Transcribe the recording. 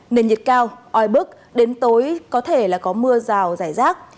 nền nhiệt cao oi bức đến tối có thể là có mưa rào rải rác